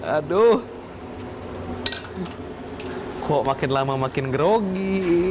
aduh kok makin lama makin grogi